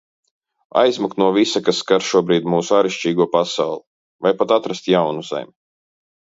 Aizmukt no visa, kas skar šobrīd mūsu ārišķīgo pasauli. Vai pat atrast jaunu Zemi.